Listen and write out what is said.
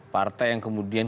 partai yang kemudian kekuasaan